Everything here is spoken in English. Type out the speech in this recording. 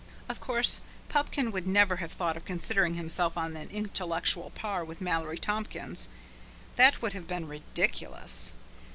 Of course, Pupkin would never have thought of considering himself on an intellectual par with Mallory Tompkins. That would have been ridiculous.